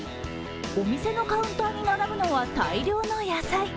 お店のカウンターに並ぶのは大量の野菜。